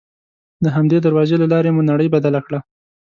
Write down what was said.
د همدې دروازې له لارې مو نړۍ بدله کړه.